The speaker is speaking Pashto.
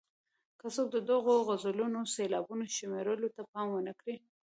که څوک د دغو غزلونو سېلابونو شمېرلو ته پام ونه کړي.